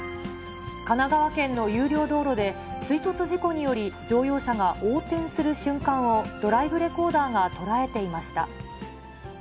神奈川県の有料道路で、追突事故により、乗用車が横転する瞬間をドライブレコーダーが捉えていました。